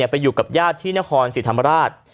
ไปอยู่กับญาติที่นครศรีธรรมราช